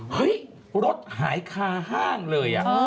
เฮ้ยรถหายคาห้างเลย